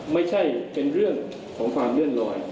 ไม่ใช่เป็นเรื่องของความเลื่อนลอย